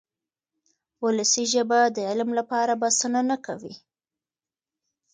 ولسي ژبه د علم لپاره بسنه نه کوي.